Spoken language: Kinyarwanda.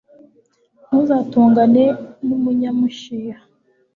ntuzatongane n'umunyamushiha